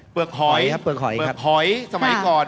เปลือกหอยสมัยก่อน